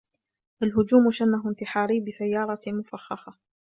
الهجوم شنه انتحاري بسيارة مفخخة.